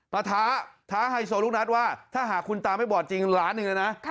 มาท้าท้าให้โทษลุกนัดว่าถ้าหากคุณตาไม่บอดจริงล้านหนึ่งเลยนะ